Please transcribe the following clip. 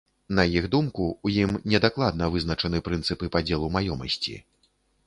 На іх думку, у ім недакладна вызначаны прынцыпы падзелу маёмасці.